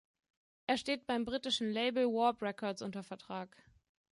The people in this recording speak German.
Er steht beim britischen Label Warp Records unter Vertrag.